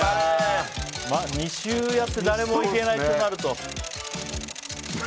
２週やって誰もいけないとなると。